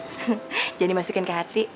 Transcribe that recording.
jangan dimasukin ke hati